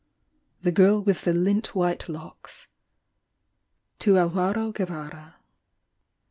THE GIRL WITH THE LINT WHITE LOCKS. To Alvaro Guevara.